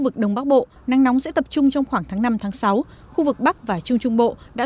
vực đông bắc bộ nắng nóng sẽ tập trung trong khoảng tháng năm tháng sáu khu vực bắc và trung trung bộ đã